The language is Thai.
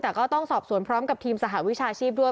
แต่ก็ต้องสอบสวนพร้อมกับทีมสหวิชาชีพด้วย